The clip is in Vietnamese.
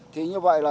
thì như vậy là